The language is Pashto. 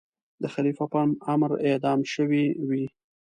د خلیفه په امر اعدام شوی وي.